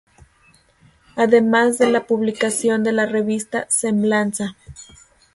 Además de la publicación de la revista "Semblanza".